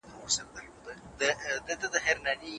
که ښه کوئ ښه به وینئ.